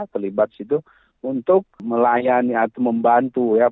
terlibat di situ untuk melayani atau membantu ya